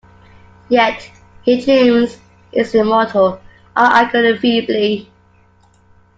Yet he dreams he is immortal, I argue feebly.